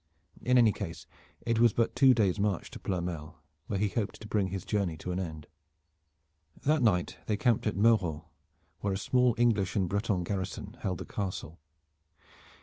In any case it was but two days' march to Ploermel, where he hoped to bring his journey to an end. That night they camped at Mauron, where a small English and Breton garrison held the castle.